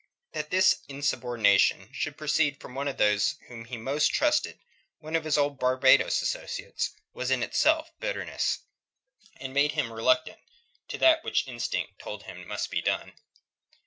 That this insubordination should proceed from one of those whom he most trusted, one of his old Barbados associates, was in itself a bitterness, and made him reluctant to that which instinct told him must be done.